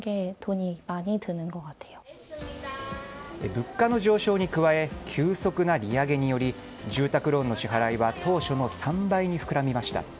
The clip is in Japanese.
物価の上昇に加え急速な利上げにより住宅ローンの支払いは当初の３倍に膨らみました。